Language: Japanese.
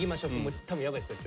多分やばいっすよ